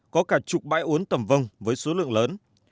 có cả chục bãi uốn tầm vông với số lượng lớn